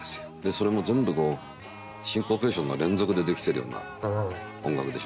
それも全部シンコペーションの連続でできてるような音楽でしょう。